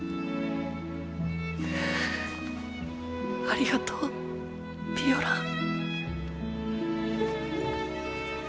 ありがとうピオラン。